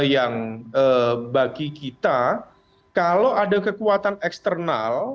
yang bagi kita kalau ada kekuatan eksternal